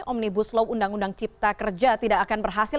omnibus law undang undang cipta kerja tidak akan berhasil